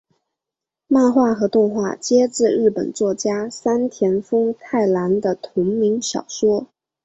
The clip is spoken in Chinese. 漫画和动画皆自日本作家山田风太郎的同名小说。